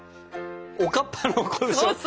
おかっぱの子でしょ？